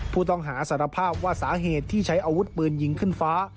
ผู้ต้องหาสารภาพว่าสาเหตุที่ใช้อาวุธปืนยิงขึ้นฟ้า